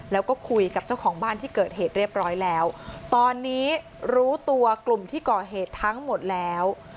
แล้วก็คุยกับเจ้าของบ้านที่เกิดเหตุเรียบร้อยแล้วตอนนี้รู้ตัวกลุ่มที่ก่อเหตุทั้งหมดแล้ว